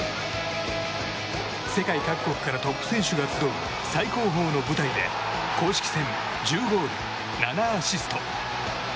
世界各国からトップ選手が集う最高峰の舞台で公式戦、１０ゴール７アシスト。